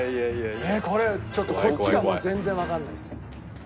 これちょっとこっちがもう全然わかんないです。